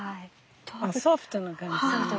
ソフトな感じ。